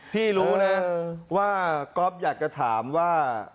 พี่รู้นะว่าก๊อฟอยากจะถามว่า